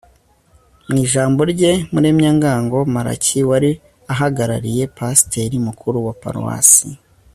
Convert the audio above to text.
mu ijambo rye, muremyangango malachie wari ahagarariye pasteur mukuru wa paruwasi